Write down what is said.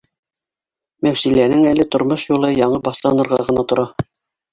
Мәүсиләнең әле тормош юлы яңы башланырға ғына тора